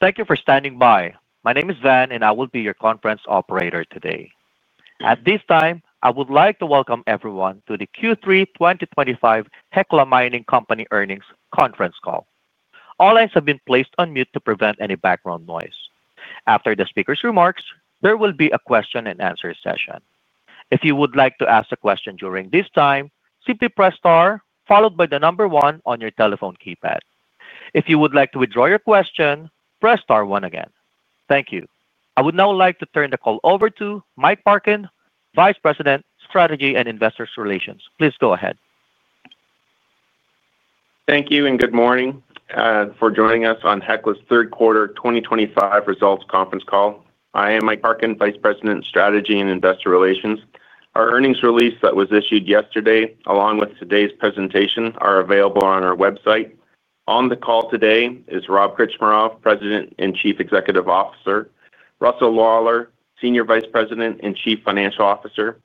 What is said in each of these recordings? Thank you for standing by. My name is Van, and I will be your conference operator today. At this time, I would like to welcome everyone to the Q3 2025 Hecla Mining Company earnings conference call. All lines have been placed on mute to prevent any background noise. After the speaker's remarks, there will be a question-and-answer session. If you would like to ask a question during this time, simply press star, followed by the number one on your telephone keypad. If you would like to withdraw your question, press star one again. Thank you. I would now like to turn the call over to Mike Parkin, Vice President, Strategy and Investor Relations. Please go ahead. Thank you and good morning for joining us on Hecla's Third Quarter 2025 results conference call. I am Mike Parkin, Vice President, Strategy and Investor Relations. Our earnings release that was issued yesterday, along with today's presentation, is available on our website. On the call today is Rob Krcmarov, President and Chief Executive Officer, Russell Lawlar, Senior Vice President and Chief Financial Officer,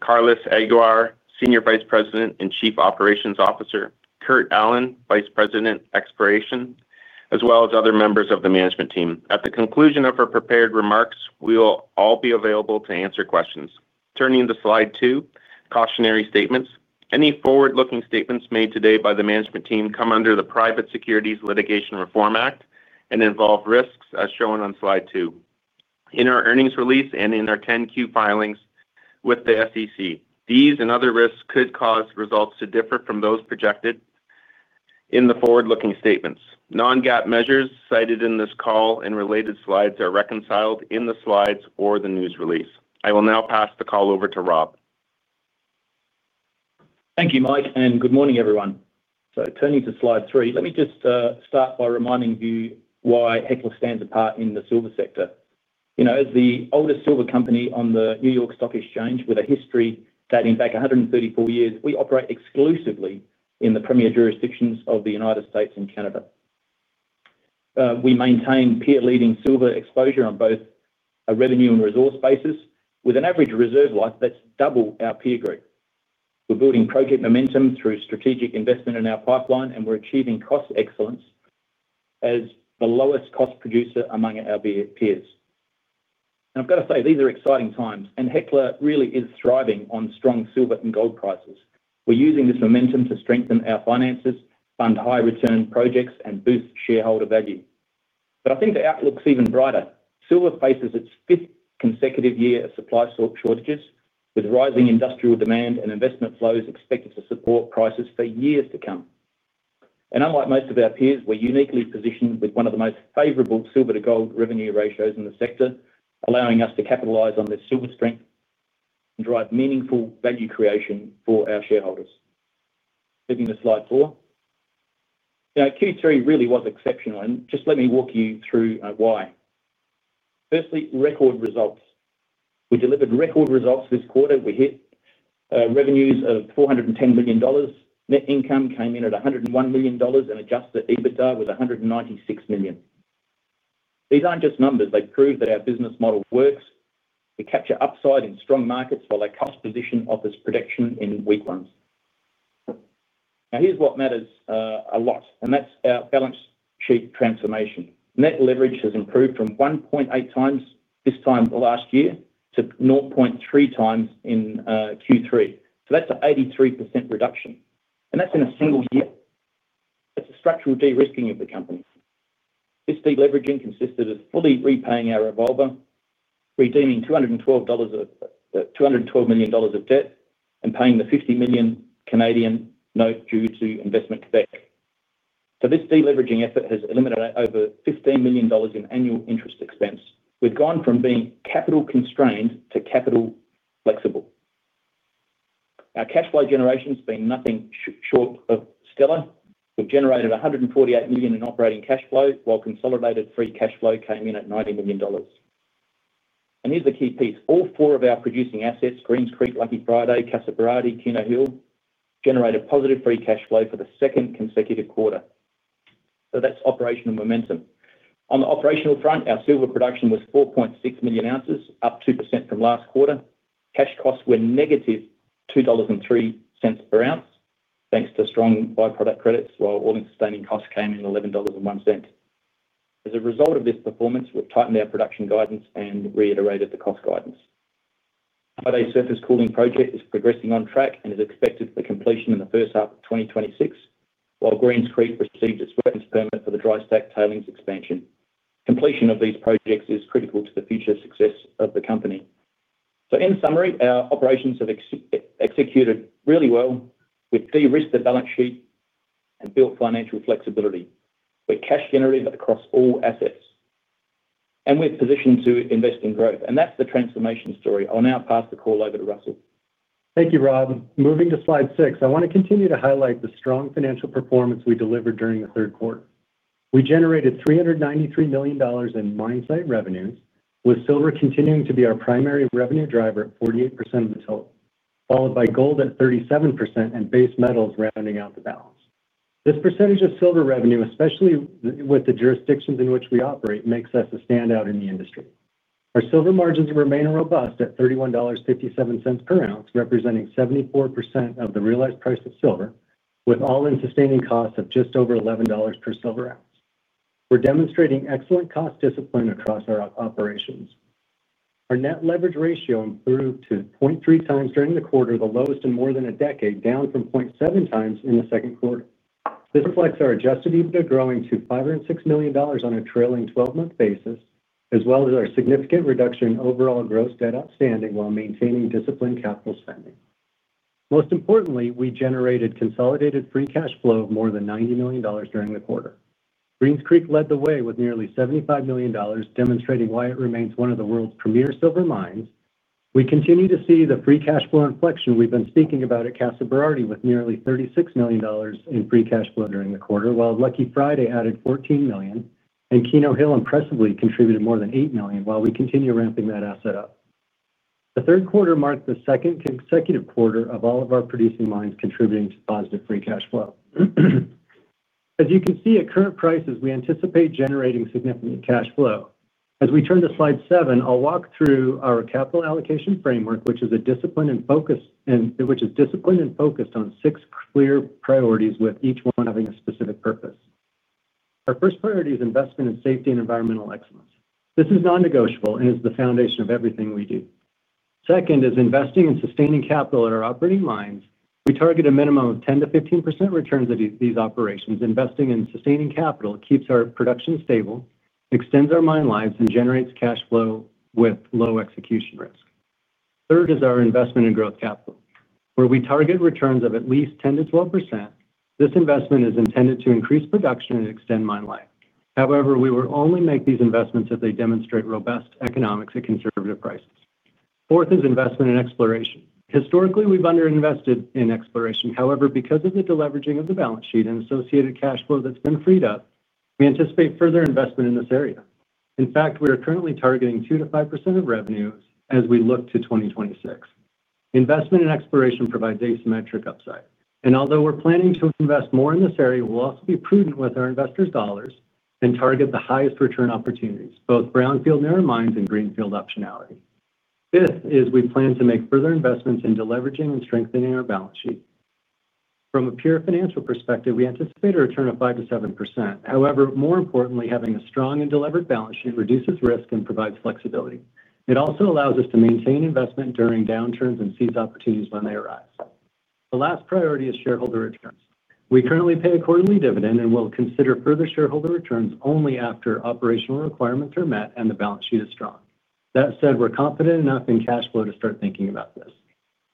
Carlos Aguiar, Senior Vice President and Chief Operations Officer, Kurt Allen, Vice President, Exploration, as well as other members of the management team. At the conclusion of our prepared remarks, we will all be available to answer questions. Turning to slide two, Cautionary Statements. Any forward-looking statements made today by the management team come under the Private Securities Litigation Reform Act and involve risks as shown on slide two. In our earnings release and in our 10-Q filings with the SEC, these and other risks could cause results to differ from those projected in the forward-looking statements. Non-GAAP measures cited in this call and related slides are reconciled in the slides or the news release. I will now pass the call over to Rob. Thank you, Mike, and good morning, everyone. Turning to slide three, let me just start by reminding you why Hecla stands apart in the silver sector. You know, as the oldest silver company on the New York Stock Exchange, with a history dating back 134 years, we operate exclusively in the premier jurisdictions of the U.S. and Canada. We maintain peer-leading silver exposure on both a revenue and resource basis, with an average reserve life that's double our peer group. We're building project momentum through strategic investment in our pipeline, and we're achieving cost excellence as the lowest cost producer among our peers. I've got to say, these are exciting times, and Hecla really is thriving on strong silver and gold prices. We're using this momentum to strengthen our finances, fund high-return projects, and boost shareholder value. I think the outlook's even brighter. Silver faces its fifth consecutive year of supply shortages, with rising industrial demand and investment flows expected to support prices for years to come. Unlike most of our peers, we're uniquely positioned with one of the most favorable silver-to-gold revenue ratios in the sector, allowing us to capitalize on this silver strength and drive meaningful value creation for our shareholders. Moving to slide four. You know, Q3 really was exceptional, and just let me walk you through why. Firstly, record results. We delivered record results this quarter. We hit revenues of $410 million. Net income came in at $101 million and Adjusted EBITDA was $196 million. These aren't just numbers. They prove that our business model works. We capture upside in strong markets while our cost position offers protection in weak ones. Now, here's what matters a lot, and that's our balance sheet transformation. Net leverage has improved from 1.8x this time last year to 0.3x in Q3. That's an 83% reduction, and that's in a single year. It's a structural de-risking of the company. This de-leveraging consisted of fully repaying our revolver, redeeming $212 million of debt, and paying the 50 million Canadian dollars note due to investment back. This de-leveraging effort has eliminated over $15 million in annual interest expense. We've gone from being capital-constrained to capital-flexible. Our cash flow generation has been nothing short of stellar. We've generated $148 million in operating cash flow while consolidated free cash flow came in at $90 million. Here's the key piece. All four of our producing assets, Greens Creek, Lucky Friday, Casa Berardi, Keno Hill, generated positive free cash flow for the second consecutive quarter. That's operational momentum. On the operational front, our silver production was 4.6 million oz, up 2% from last quarter. Cash costs were negative $2.03 per ounce, thanks to strong byproduct credits, while all-in sustaining costs came in at $11.01. As a result of this performance, we've tightened our production guidance and reiterated the cost guidance. Our surface cooling project is progressing on track and is expected for completion in the first half of 2026, while Greens Creek received its wetlands permit for the dry stack tailings expansion. Completion of these projects is critical to the future success of the company. In summary, our operations have executed really well. We've de-risked the balance sheet and built financial flexibility. We're cash-generative across all assets. We're positioned to invest in growth. That's the transformation story. I'll now pass the call over to Russell. Thank you, Rob. Moving to slide six, I want to continue to highlight the strong financial performance we delivered during the third quarter. We generated $393 million in mine site revenues, with silver continuing to be our primary revenue driver at 48% of the total, followed by gold at 37% and base metals rounding out the balance. This percentage of silver revenue, especially with the jurisdictions in which we operate, makes us a standout in the industry. Our silver margins remain robust at $31.57 per ounce, representing 74% of the realized price of silver, with all-in sustaining costs of just over $11 per silver ounce. We're demonstrating excellent cost discipline across our operations. Our net leverage ratio improved to 0.3x during the quarter, the lowest in more than a decade, down from 0.7x in the second quarter. This reflects our Adjusted EBITDA growing to $506 million on a trailing 12-month basis, as well as our significant reduction in overall gross debt outstanding while maintaining disciplined capital spending. Most importantly, we generated consolidated free cash flow of more than $90 million during the quarter. Greens Creek led the way with nearly $75 million, demonstrating why it remains one of the world's premier silver mines. We continue to see the free cash flow inflection we've been speaking about at Casa Berardi, with nearly $36 million in free cash flow during the quarter, while Lucky Friday added $14 million, and Keno Hill impressively contributed more than $8 million, while we continue ramping that asset up. The third quarter marked the second consecutive quarter of all of our producing mines contributing to positive free cash flow. As you can see, at current prices, we anticipate generating significant cash flow. As we turn to slide seven, I'll walk through our capital allocation framework, which is disciplined and focused on six clear priorities, with each one having a specific purpose. Our first priority is investment in safety and environmental excellence. This is non-negotiable and is the foundation of everything we do. Second is investing and sustaining capital at our operating lines. We target a minimum of 10%-15% returns at these operations. Investing and sustaining capital keeps our production stable, extends our mine lives, and generates cash flow with low execution risk. Third is our investment in growth capital, where we target returns of at least 10%-12%. This investment is intended to increase production and extend mine life. However, we will only make these investments if they demonstrate robust economics at conservative prices. Fourth is investment in exploration. Historically, we've underinvested in exploration. However, because of the deleveraging of the balance sheet and associated cash flow that's been freed up, we anticipate further investment in this area. In fact, we are currently targeting 2%-5% of revenues as we look to 2026. Investment in exploration provides asymmetric upside. Although we're planning to invest more in this area, we'll also be prudent with our investors' dollars and target the highest return opportunities, both brownfield mirror mines and greenfield optionality. Fifth is we plan to make further investments in deleveraging and strengthening our balance sheet. From a pure financial perspective, we anticipate a return of 5%-7%. However, more importantly, having a strong and deliberate balance sheet reduces risk and provides flexibility. It also allows us to maintain investment during downturns and seize opportunities when they arise. The last priority is shareholder returns. We currently pay a quarterly dividend and will consider further shareholder returns only after operational requirements are met and the balance sheet is strong. That said, we're confident enough in cash flow to start thinking about this.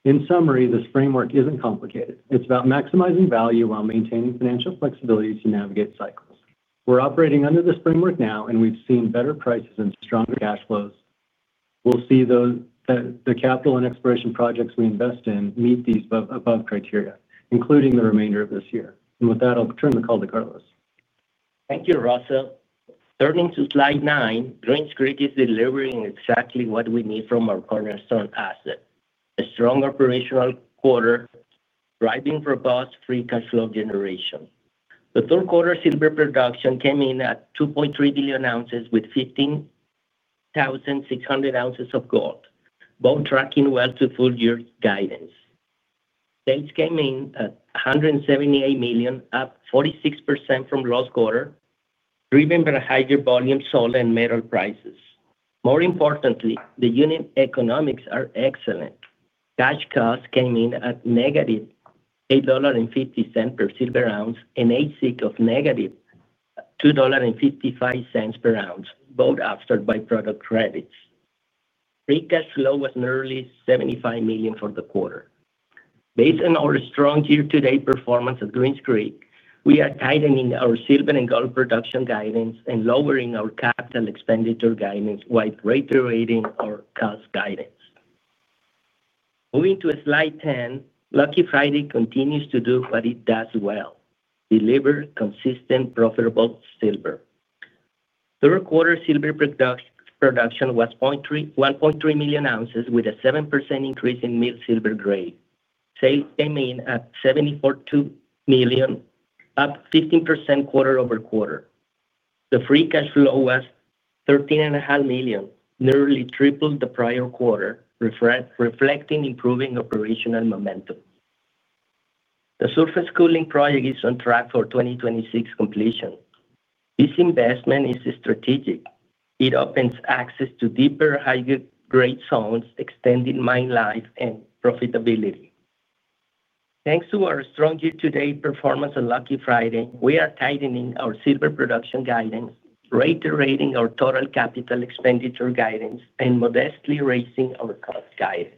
In summary, this framework isn't complicated. It's about maximizing value while maintaining financial flexibility to navigate cycles. We're operating under this framework now, and we've seen better prices and stronger cash flows. We will see the capital and exploration projects we invest in meet these above criteria, including the remainder of this year. With that, I'll turn the call to Carlos. Thank you, Russell. Turning to slide nine, Greens Creek is delivering exactly what we need from our cornerstone asset: a strong operational quarter, driving robust free cash flow generation. The third quarter silver production came in at 2.3 million oz, with 15,600 oz of gold, both tracking well to full-year guidance. Sales came in at $178 million, up 46% from last quarter, driven by higher volume, silver and metal prices. More importantly, the unit economics are excellent. Cash costs came in at negative $8.50 per silver ounce and AISC of -$2.55 per ounce, both after byproduct credits. Free cash flow was nearly $75 million for the quarter. Based on our strong year-to-date performance at Greens Creek, we are tightening our silver and gold production guidance and lowering our capital expenditure guidance while reiterating our cost guidance. Moving to slide 10, Lucky Friday continues to do what it does well: deliver consistent, profitable silver. Third quarter silver production was 1.3 million oz, with a 7% increase in mill silver grade. Sales came in at $742 million, up 15% quarter-over-quarter. The free cash flow was $13.5 million, nearly triple the prior quarter, reflecting improving operational momentum. The surface cooling project is on track for 2026 completion. This investment is strategic. It opens access to deeper high-grade zones, extending mine life and profitability. Thanks to our strong year-to-date performance on Lucky Friday, we are tightening our silver production guidance, reiterating our total capital expenditure guidance, and modestly raising our cost guidance.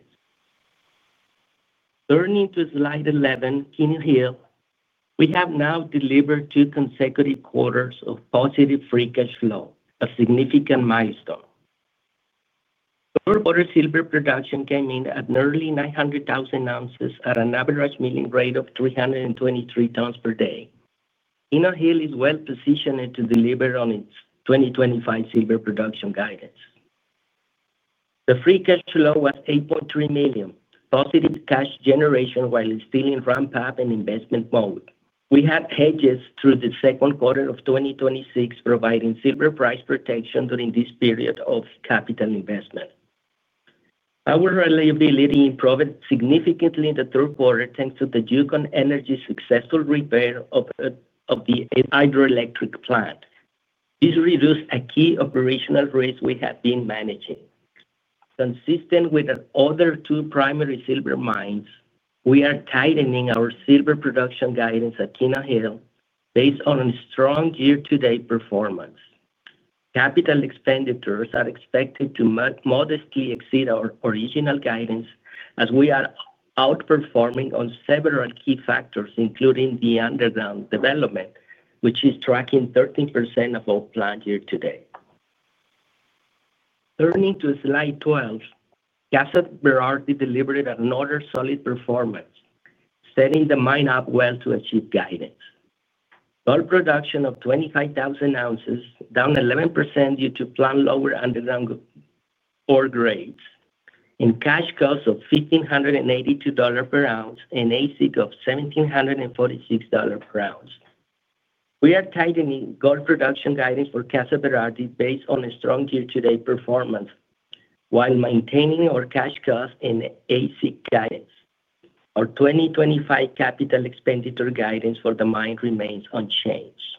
Turning to slide 11, Keno Hill, we have now delivered two consecutive quarters of positive free cash flow, a significant milestone. Third quarter silver production came in at nearly 900,000 oz at an average milling rate of 323 tons per day. Keno Hill is well positioned to deliver on its 2025 silver production guidance. The free cash flow was $8.3 million, positive cash generation while still in ramp-up and investment mode. We had hedges through the second quarter of 2026, providing silver price protection during this period of capital investment. Power availability improved significantly in the third quarter, thanks to Yukon Energy's successful repair of the hydroelectric plant. This reduced a key operational risk we had been managing. Consistent with our other two primary silver mines, we are tightening our silver production guidance at Keno Hill based on strong year-to-date performance. Capital expenditures are expected to modestly exceed our original guidance, as we are outperforming on several key factors, including the underground development, which is tracking 13% ahead of our planned year-to-date. Turning to slide 12, Casa Berardi delivered another solid performance, setting the mine up well to achieve guidance. Total production of 25,000 oz, down 11% due to planned lower underground ore grades, and cash costs of $1,582 per ounce and AISC of $1,746 per ounce. We are tightening gold production guidance for Casa Berardi based on strong year-to-date performance while maintaining our cash costs and AISC guidance. Our 2025 capital expenditure guidance for the mine remains unchanged.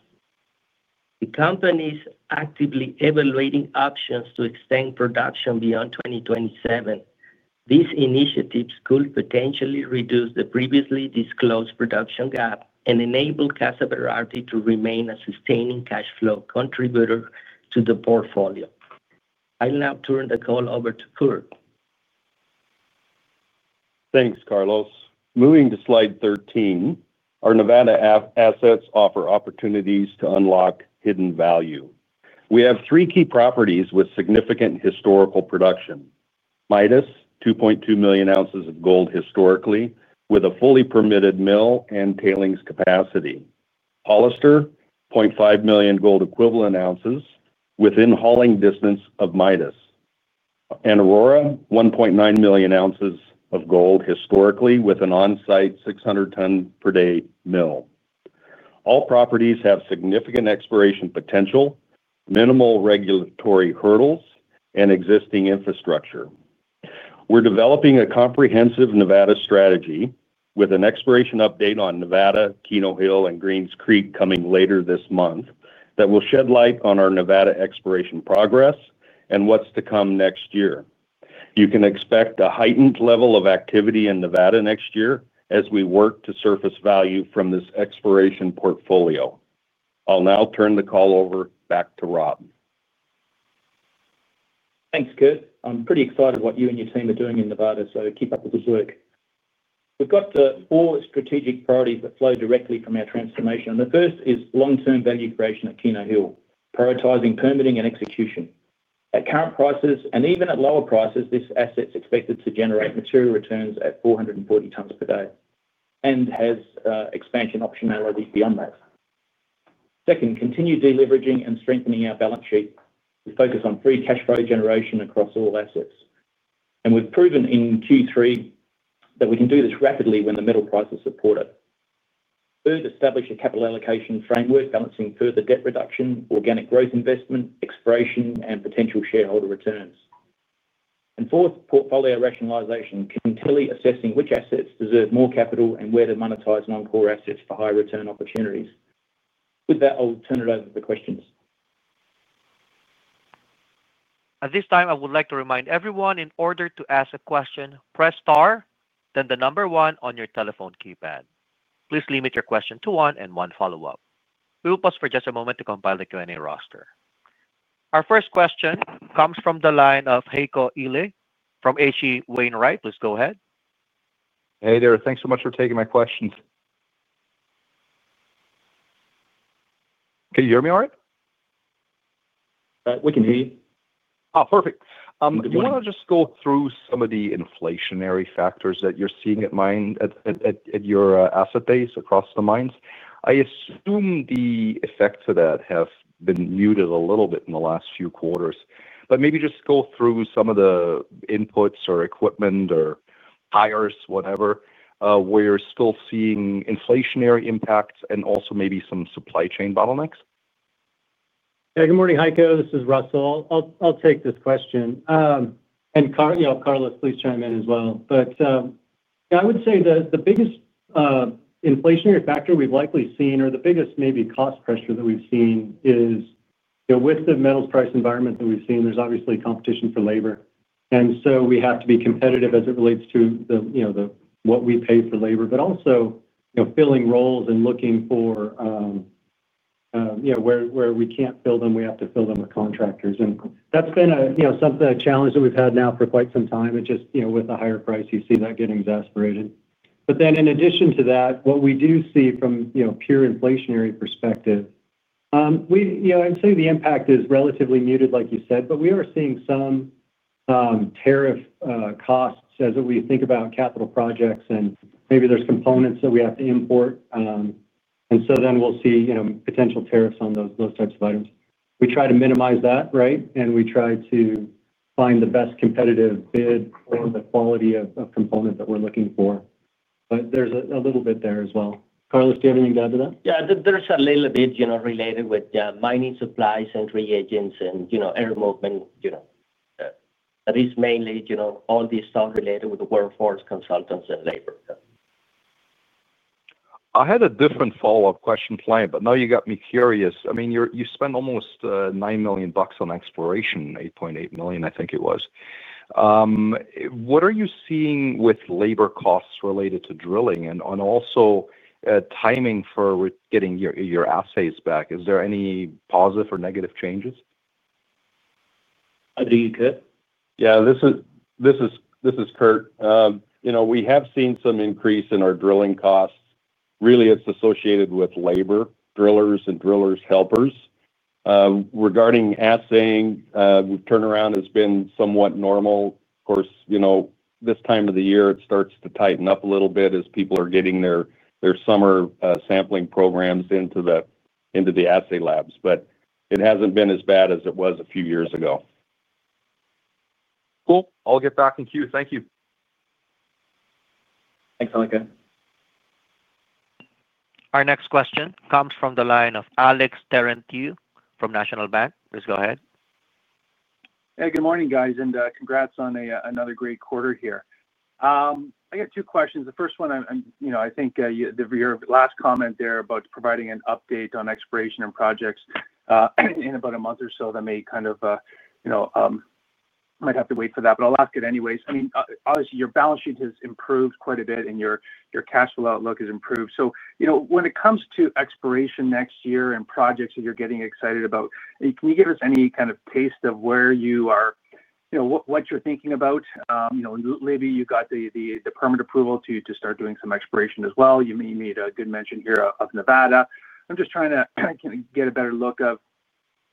The company is actively evaluating options to extend production beyond 2027. These initiatives could potentially reduce the previously disclosed production gap and enable Casa Berardi to remain a sustaining cash flow contributor to the portfolio. I'll now turn the call over to Kurt. Thanks, Carlos. Moving to slide 13, our Nevada assets offer opportunities to unlock hidden value. We have three key properties with significant historical production. Midas, 2.2 million oz of gold historically, with a fully permitted mill and tailings capacity. Hollister, 500,000 gold equivalent ounces, within hauling distance of Midas. And Aurora, 1.9 million oz of gold historically, with an on-site 600 ton per day mill. All properties have significant exploration potential, minimal regulatory hurdles, and existing infrastructure. We're developing a comprehensive Nevada strategy with an exploration update on Nevada, Keno Hill, and Greens Creek coming later this month that will shed light on our Nevada exploration progress and what's to come next year. You can expect a heightened level of activity in Nevada next year as we work to surface value from this exploration portfolio. I'll now turn the call over back to Rob. Thanks, Kurt. I'm pretty excited about what you and your team are doing in Nevada, so keep up with this work. We've got four strategic priorities that flow directly from our transformation. The first is long-term value creation at Keno Hill, prioritizing permitting and execution. At current prices and even at lower prices, this asset's expected to generate material returns at 440 tons per day and has expansion optionality beyond that. Second, continued deleveraging and strengthening our balance sheet with focus on free cash flow generation across all assets. We've proven in Q3 that we can do this rapidly when the metal prices support it. Third, establish a capital allocation framework balancing further debt reduction, organic growth investment, exploration, and potential shareholder returns. Fourth, portfolio rationalization, continually assessing which assets deserve more capital and where to monetize non-core assets for higher return opportunities. With that, I'll turn it over to the questions. At this time, I would like to remind everyone, in order to ask a question, press star, then the number one on your telephone keypad. Please limit your question to one and one follow-up. We will pause for just a moment to compile the Q&A roster. Our first question comes from the line of Heiko Ihle from H.C. Wainwright. Please go ahead. Hey there. Thanks so much for taking my questions. Can you hear me all right? We can hear you. Oh, perfect. Do you want to just go through some of the inflationary factors that you're seeing at your asset base across the mines? I assume the effects of that have been muted a little bit in the last few quarters. Maybe just go through some of the inputs or equipment or tires, whatever, where you're still seeing inflationary impacts and also maybe some supply chain bottlenecks. Yeah. Good morning, Heiko. This is Russell. I'll take this question. Carlos, please chime in as well. I would say the biggest inflationary factor we've likely seen, or the biggest maybe cost pressure that we've seen, is with the metals price environment that we've seen. There's obviously competition for labor. We have to be competitive as it relates to what we pay for labor, but also filling roles and looking for where we can't fill them, we have to fill them with contractors. That's been something a challenge that we've had now for quite some time. It's just with a higher price, you see that getting exasperated. In addition to that, what we do see from a pure inflationary perspective, I'd say the impact is relatively muted, like you said, but we are seeing some. Tariff costs as we think about capital projects, and maybe there's components that we have to import. Then we'll see potential tariffs on those types of items. We try to minimize that, right? We try to find the best competitive bid for the quality of components that we're looking for. There's a little bit there as well. Carlos, do you have anything to add to that? Yeah. There's a little bit related with mining supplies and reagents and air movement. That is mainly all this stuff related with the workforce consultants and labor. I had a different follow-up question planned, but now you got me curious. I mean, you spent almost $9 million on exploration, $8.8 million, I think it was. What are you seeing with labor costs related to drilling and also timing for getting your assays back? Is there any positive or negative changes? Kurt? Yeah. This is Kurt. We have seen some increase in our drilling costs. Really, it's associated with labor, drillers, and drillers' helpers. Regarding assaying, the turnaround has been somewhat normal. Of course, this time of the year, it starts to tighten up a little bit as people are getting their summer sampling programs into the assay labs. But it hasn't been as bad as it was a few years ago. Cool. I'll get back in queue. Thank you. Thanks, Heiko. Our next question comes from the line of Alex Terentiew from National Bank. Please go ahead. Hey, good morning, guys, and congrats on another great quarter here. I got two questions. The first one, I think your last comment there about providing an update on exploration and projects in about a month or so, that may kind of, I might have to wait for that, but I'll ask it anyways. I mean, obviously, your balance sheet has improved quite a bit, and your cash flow outlook has improved. When it comes to exploration next year and projects that you're getting excited about, can you give us any kind of taste of where you are, what you're thinking about? Maybe you got the permit approval to start doing some exploration as well. You made a good mention here of Nevada. I'm just trying to get a better look of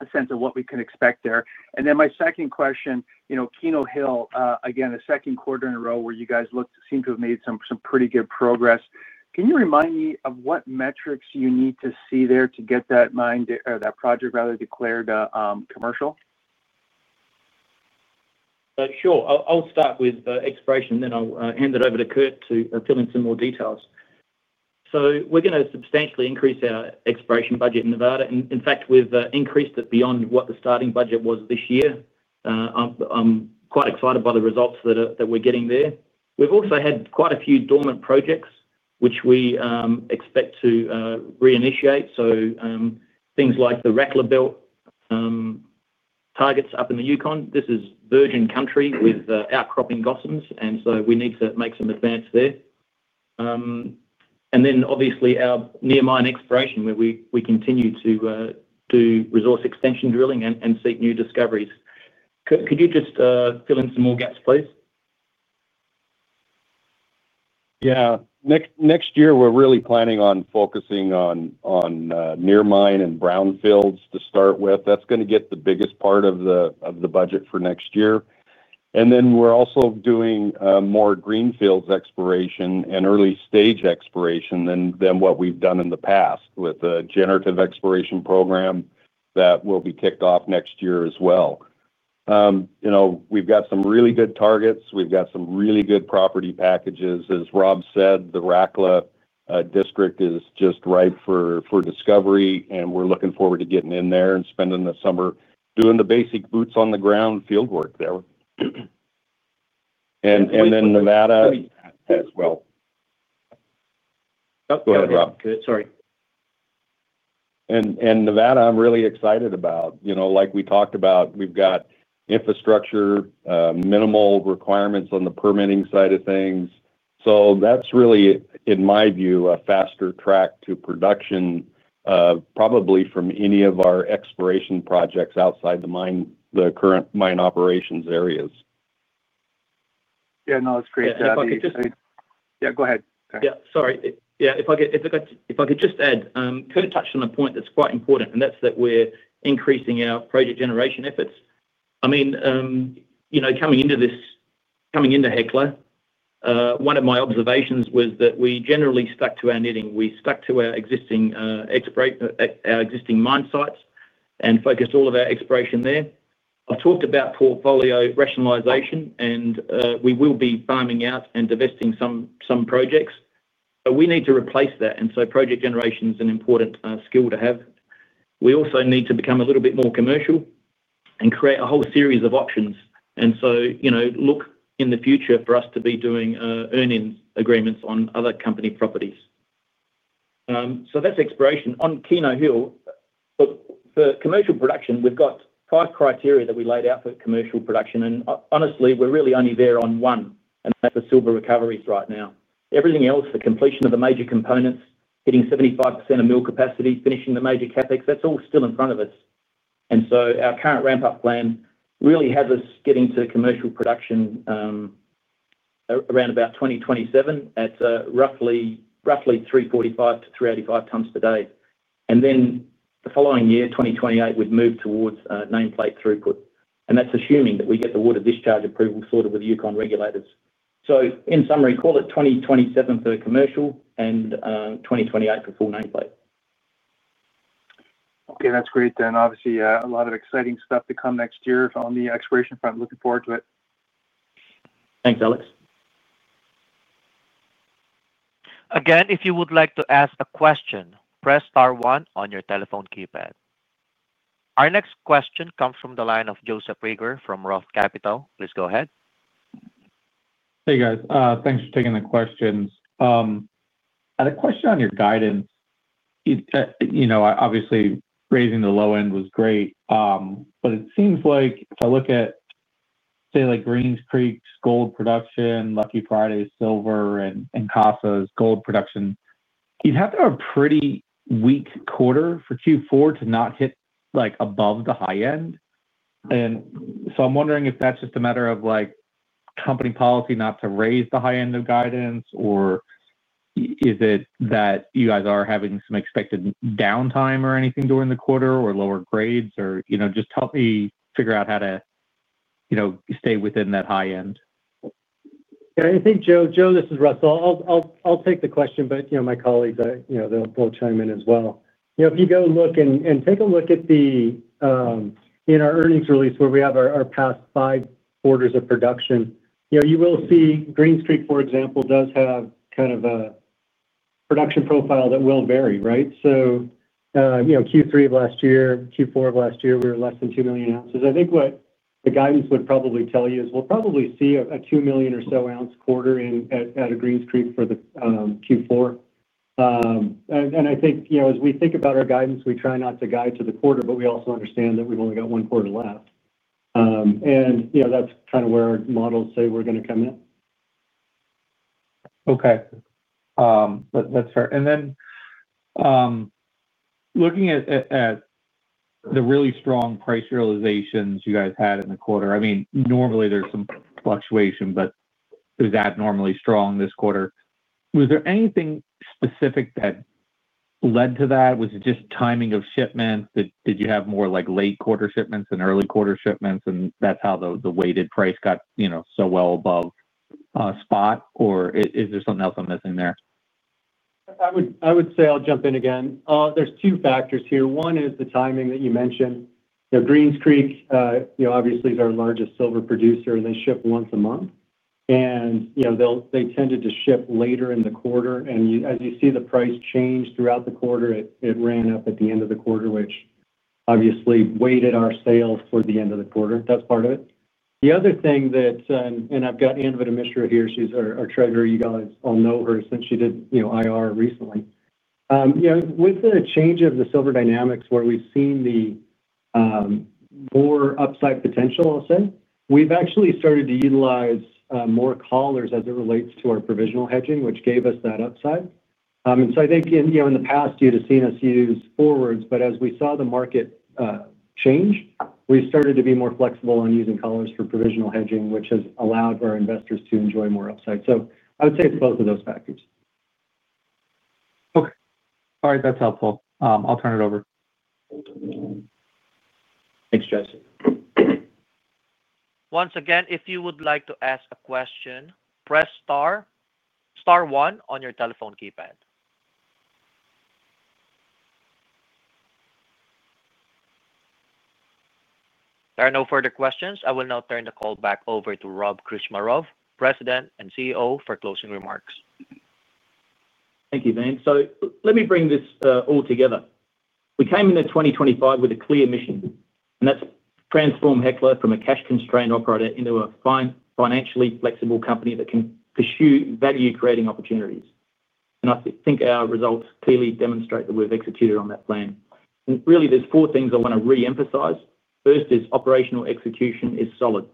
a sense of what we can expect there. My second question, Keno Hill, again, the second quarter in a row where you guys seem to have made some pretty good progress. Can you remind me of what metrics you need to see there to get that project rather declared commercial? Sure. I'll start with exploration, then I'll hand it over to Kurt to fill in some more details. We're going to substantially increase our exploration budget in Nevada. In fact, we've increased it beyond what the starting budget was this year. I'm quite excited by the results that we're getting there. We've also had quite a few dormant projects, which we expect to reinitiate. Things like the Rackla Belt. Targets up in the Yukon. This is virgin country with outcropping gossans, and we need to make some advance there. Obviously, our near-mine exploration, where we continue to do resource extension drilling and seek new discoveries. Kurt, could you just fill in some more gaps, please? Yeah. Next year, we're really planning on focusing on near-mine and brownfields to start with. That's going to get the biggest part of the budget for next year. Then we're also doing more greenfields exploration and early-stage exploration than what we've done in the past with a generative exploration program that will be kicked off next year as well. We've got some really good targets. We've got some really good property packages. As Rob said, the Rackla District is just ripe for discovery, and we're looking forward to getting in there and spending the summer doing the basic boots-on-the-ground fieldwork there. Then Nevada as well. Go ahead, Rob. Sorry. Nevada, I'm really excited about. Like we talked about, we've got infrastructure, minimal requirements on the permitting side of things. That is really, in my view, a faster track to production. Probably from any of our exploration projects outside the current mine operations areas. Yeah. No, that's great. Yeah, go ahead. Yeah. Sorry. Yeah. If I could just add, Kurt touched on a point that's quite important, and that's that we're increasing our project generation efforts. I mean, coming into Hecla, one of my observations was that we generally stuck to our knitting. We stuck to our existing mine sites and focused all of our exploration there. I've talked about portfolio rationalization, and we will be farming out and divesting some projects. We need to replace that, and so project generation is an important skill to have. We also need to become a little bit more commercial and create a whole series of options. Look in the future for us to be doing earnings agreements on other company properties. That's exploration. On Keno Hill, for commercial production, we've got five criteria that we laid out for commercial production. Honestly, we're really only there on one, and that's the silver recoveries right now. Everything else, the completion of the major components, hitting 75% of mill capacity, finishing the major CapEx, that's all still in front of us. Our current ramp-up plan really has us getting to commercial production around 2027 at roughly 345 tons-385 tons per day. The following year, 2028, we'd move towards nameplate throughput. That's assuming that we get the water discharge approval sorted with the Yukon regulators. In summary, call it 2027 for commercial and 2028 for full nameplate. Okay. That's great, Dan. Obviously, a lot of exciting stuff to come next year on the exploration front. Looking forward to it. Thanks, Alex. Again, if you would like to ask a question, press star one on your telephone keypad. Our next question comes from the line of Joseph Rieger from Roth Capital. Please go ahead. Hey, guys. Thanks for taking the questions. The question on your guidance. Obviously, raising the low end was great. It seems like if I look at, say, like Greens Creek's gold production, Lucky Friday's silver, and Casa's gold production, you'd have to have a pretty weak quarter for Q4 to not hit above the high end. I'm wondering if that's just a matter of company policy not to raise the high end of guidance, or is it that you guys are having some expected downtime or anything during the quarter or lower grades, or just help me figure out how to stay within that high end? Yeah. I think, Joe, this is Russell. I'll take the question, but my colleagues, they'll chime in as well. If you go look and take a look at our earnings release where we have our past five quarters of production, you will see Greens Creek, for example, does have kind of a production profile that will vary, right? Q3 of last year, Q4 of last year, we were less than 2 million oz. I think what the guidance would probably tell you is we'll probably see a 2 million or so ounce quarter at Greens Creek for the Q4. I think as we think about our guidance, we try not to guide to the quarter, but we also understand that we've only got one quarter left. That's kind of where our models say we're going to come in. Okay. That's fair. Looking at the really strong price realizations you guys had in the quarter, I mean, normally there's some fluctuation, but it was abnormally strong this quarter. Was there anything specific that led to that? Was it just timing of shipments? Did you have more late-quarter shipments and early-quarter shipments, and that's how the weighted price got so well above spot? Or is there something else I'm missing there? I would say I'll jump in again. There are two factors here. One is the timing that you mentioned. Greens Creek, obviously, is our largest silver producer, and they ship once a month. They tended to ship later in the quarter. As you see the price change throughout the quarter, it ran up at the end of the quarter, which obviously weighted our sales toward the end of the quarter. That is part of it. The other thing that—I have Anvita Mishra here. She is our Treasurer. You guys all know her since she did IR recently. With the change of the silver dynamics, where we have seen more upside potential, I will say, we have actually started to utilize more collars as it relates to our provisional hedging, which gave us that upside. I think in the past, you would have seen us use forwards. As we saw the market change, we started to be more flexible on using collars for provisional hedging, which has allowed our investors to enjoy more upside. I would say it is both of those factors. Okay. All right. That's helpful. I'll turn it over. Thanks, Joe. Once again, if you would like to ask a question, press star one on your telephone keypad. There are no further questions. I will now turn the call back over to Rob Krcmarov, President and CEO, for closing remarks. Thank you, Van. Let me bring this all together. We came into 2025 with a clear mission, and that is to transform Hecla from a cash-constrained operator into a financially flexible company that can pursue value-creating opportunities. I think our results clearly demonstrate that we have executed on that plan. There are four things I want to re-emphasize. First is operational execution is solid.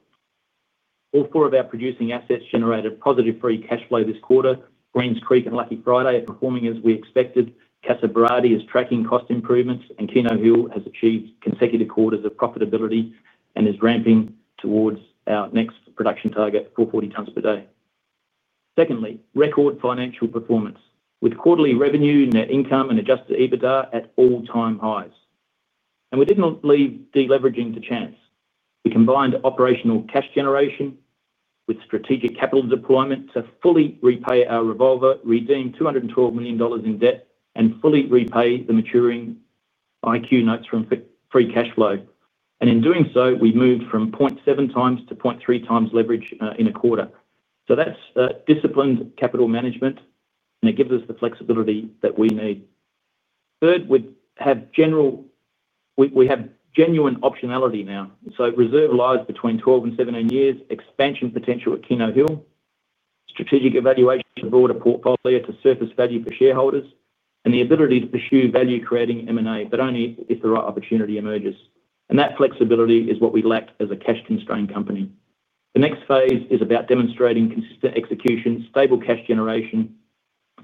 All four of our producing assets generated positive free cash flow this quarter. Greens Creek and Lucky Friday are performing as we expected. Casa Berardi is tracking cost improvements, and Keno Hill has achieved consecutive quarters of profitability and is ramping towards our next production target, 440 tons per day. Secondly, record financial performance with quarterly revenue, net income, and Adjusted EBITDA at all-time highs. We did not leave deleveraging to chance. We combined operational cash generation with strategic capital deployment to fully repay our revolver, redeem $212 million in debt, and fully repay the maturing IQ notes from free cash flow. In doing so, we moved from 0.7x-0.3x leverage in a quarter. That is disciplined capital management, and it gives us the flexibility that we need. Third, we have genuine optionality now. Reserve lies between 12-17 years, expansion potential at Keno Hill, strategic evaluation of broader portfolio to surface value for shareholders, and the ability to pursue value-creating M&A, but only if the right opportunity emerges. That flexibility is what we lack as a cash-constrained company. The next phase is about demonstrating consistent execution, stable cash generation,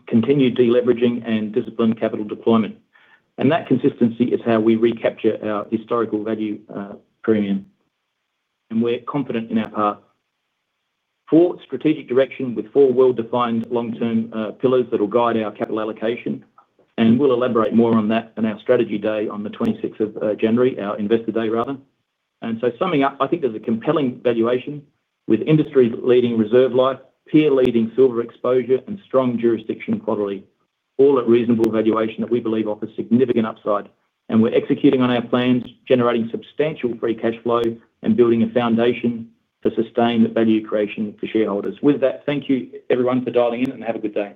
continued deleveraging, and disciplined capital deployment. That consistency is how we recapture our historical value premium. We are confident in our path. Four strategic directions with four well-defined long-term pillars that will guide our capital allocation. We will elaborate more on that in our strategy day on the 26th of January, our investor day, rather. Summing up, I think there is a compelling valuation with industry-leading reserve life, peer-leading silver exposure, and strong jurisdiction quarterly, all at reasonable valuation that we believe offers significant upside. We are executing on our plans, generating substantial free cash flow, and building a foundation for sustained value creation for shareholders. With that, thank you, everyone, for dialing in, and have a good day.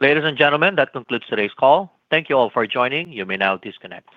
Ladies and gentlemen, that concludes today's call. Thank you all for joining. You may now disconnect.